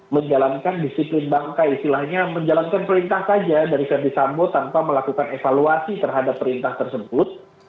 menjalankan disiplin bangkai istilahnya menjalankan perintah saja dari verdi sambo tanpa melakukan evaluasi terhadap perintah tersebut